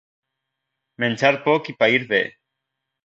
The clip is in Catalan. Menjar poc i païr bé